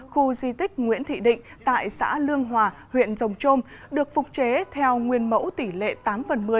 khu di tích nguyễn thị định tại xã lương hòa huyện rồng trôm được phục chế theo nguyên mẫu tỷ lệ tám phần một mươi